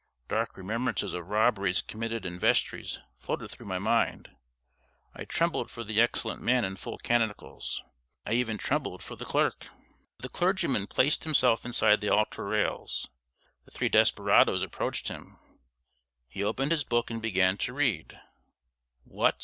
Dark remembrances of robberies committed in vestries floated through my mind. I trembled for the excellent man in full canonicals I even trembled for the clerk. The clergyman placed himself inside the altar rails. The three desperadoes approached him. He opened his book and began to read. What?